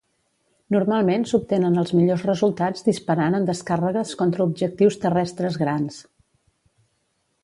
Normalment s"obtenen els millors resultats disparant en descàrregues contra objectius terrestres grans.